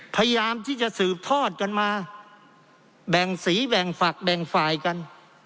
พยายามที่จะสืบทอดกันมาแบ่งสีแบ่งฝักแบ่งฝ่ายกัน